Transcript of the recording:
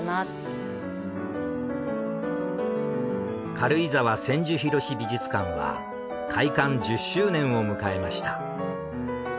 『軽井沢千住博美術館』は開館１０周年を迎えました。